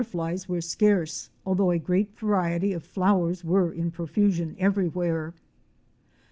137 flies were scarce although a great variety of flowers were in profusion everywhere.